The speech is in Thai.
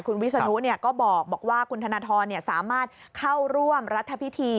คุณวิศนุก็บอกว่าคุณธนทรสามารถเข้าร่วมรัฐพิธี